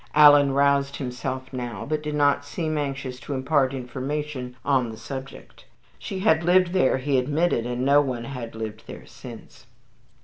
Alan roused himself now, but did not seem anxious to impart information on the subject. She had lived there, he admitted, and no one had lived there since.